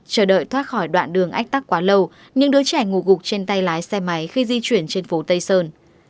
chờ đợi thoát khỏi đoạn đường ách tắc quá lâu những đứa trẻ ngủ gục trên tay lái xe máy khi di chuyển trên phố tây sơn